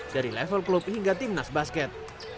dari level klub hingga tim nas basket